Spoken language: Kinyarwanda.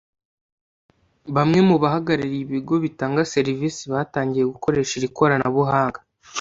Bamwe mu bahagarariye ibigo bitanga serivisi batangiye gukoresha iri koranabuhanga